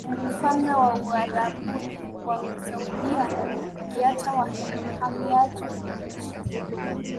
Ufalme wa Uarabuni wa Saudia Ukiacha wahamiaji wenyeji ni